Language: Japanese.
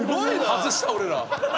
外した俺ら。